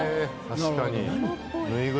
確かに。